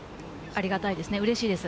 ありがたいです。